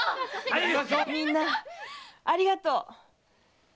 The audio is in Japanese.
みんなありがとう！